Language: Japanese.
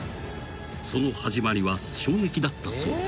［その始まりは衝撃だったそうで］